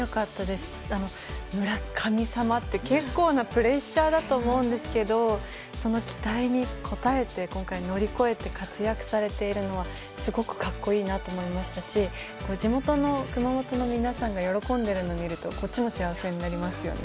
村神様って結構なプレッシャーだと思うんですけどその期待に応えて今回、乗り越えて活躍されているのはすごく格好いいなと思いましたし地元の熊本の皆さんが喜んでいるのを見るとこっちも幸せになりますよね。